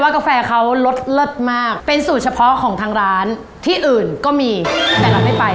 กาแฟเขารสเลิศมากเป็นสูตรเฉพาะของทางร้านที่อื่นก็มีแต่เราไม่ไป